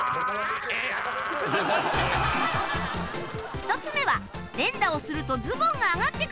１つ目は連打をするとズボンが上がってくるゲーム